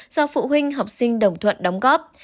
do phụ huynh học sinh đồng thuận đóng góp